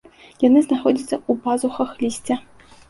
Яны знаходзяцца ў пазухах лісця.